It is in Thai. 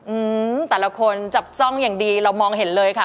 อืมแต่ละคนจับจ้องอย่างดีเรามองเห็นเลยค่ะ